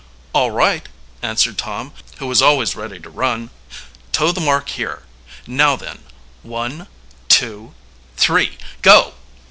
"All right," answered Tom, who was always ready to run. "Toe the mark here. Now then one, two, three! Go!"